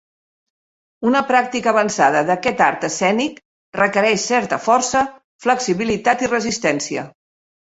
Una pràctica avançada d'aquest art escènic requereix certa força, flexibilitat i resistència.